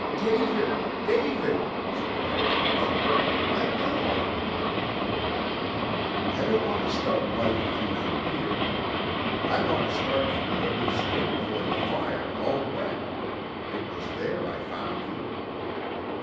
"David! David!" she cried joyously, "I know." "I don't want to start life with you from here. I want to start from where we stood before the fire all wet. It was there I found you."